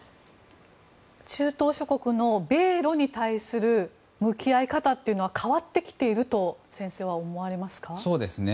中東諸国の米露に対する向き合い方というのは変わってきていると先生は思われますか？